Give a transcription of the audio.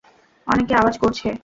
অনেক আওয়াজ করছে।